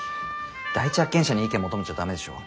第一発見者に意見求めちゃダメでしょ。